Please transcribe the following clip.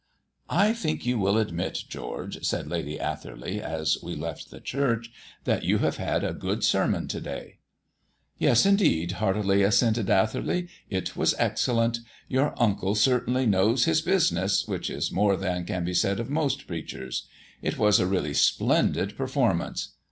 "I think you will admit, George," said Lady Atherley, as we left the church, "that you have had a good sermon to day." "Yes, indeed," heartily assented Atherley. "It was excellent. Your uncle certainly knows his business, which is more than can be said of most preachers. It was a really splendid performance.